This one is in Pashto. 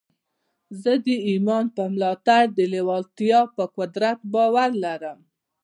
زه د ايمان پر ملاتړ د لېوالتیا پر قدرت باور لرم.